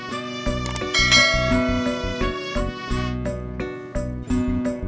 tadi kan dari tengah jalan